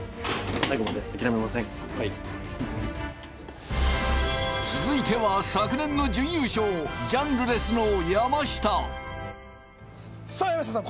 はい続いては昨年の準優勝ジャンルレスの山下さあ山下さん